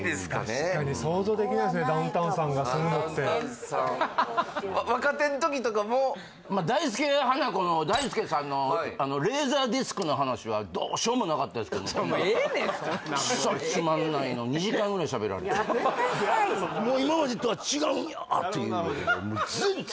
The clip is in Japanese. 確かに想像できないすねダウンタウンさんがそういうのってダウンタウンさん若手ん時とかも大助・花子の大助さんのレーザーディスクの話はどうしようもなかったですけどもうええねんそんなクソつまんないの２時間ぐらい喋られて「もう今までとは違うんや」っていういや